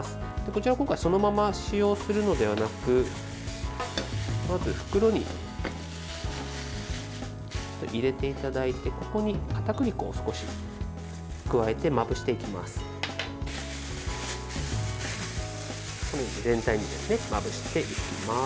こちら今回そのまま使用するのではなくまず袋に入れていただいてここに、かたくり粉を少し加えてまぶしていきます。